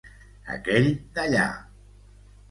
Aquell d'allà.